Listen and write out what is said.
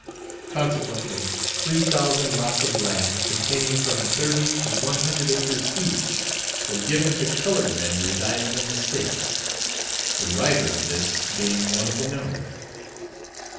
Consequently, three thousand lots of land, containing from thirty to one hundred acres each, were given to coloured men residing in the State the writer of this being one of the number.